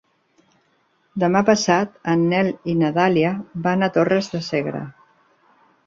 Demà passat en Nel i na Dàlia van a Torres de Segre.